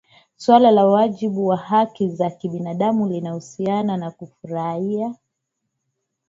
Suala la wajibu wa haki za kibinadamu linahusiana na kufurahia